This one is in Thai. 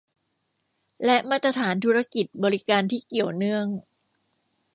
และมาตรฐานธุรกิจบริการที่เกี่ยวเนื่อง